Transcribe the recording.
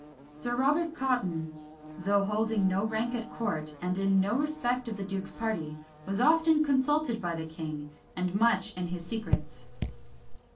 Sir Robert Cotton, though holding no rank at court, and in no respect of the duke's party, was often consulted by the king, and much in his secrets.